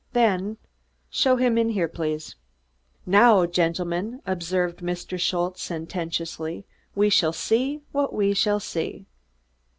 Then: "Show him in here, please." "Now, gendlemens," observed Mr. Schultze sententiously, "ve shall zee vat ve shall zee."